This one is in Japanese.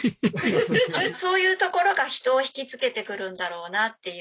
「そういうところが人を引きつけてくるんだろうなっていう」